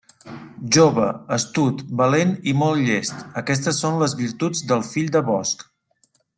Jove, astut, valent i molt llest, aquestes són les virtuts del Fill de Bosc.